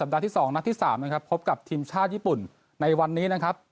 ดาที่๒นัดที่๓นะครับพบกับทีมชาติญี่ปุ่นในวันนี้นะครับ